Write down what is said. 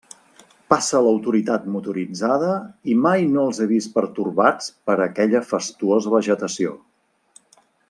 Passa l'autoritat motoritzada i mai no els he vist pertorbats per aquella fastuosa vegetació.